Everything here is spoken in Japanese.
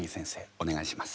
お願いします。